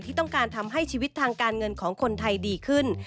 ที่ต้องการทำให้ชีวิตทางการเงินของคนไทยดีขึ้น